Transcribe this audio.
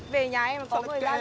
về nhà em mà có người ra rả anh nhá